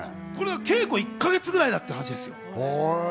稽古は１か月ぐらいだって話ですよ。